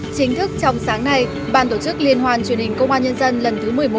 chính thức trong sáng nay ban tổ chức liên hoàn truyền hình công an nhân dân lần thứ một mươi một